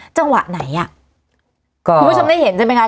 จังหวะไหนอ่ะคุณผู้ชมได้เห็นใช่ไหมคะ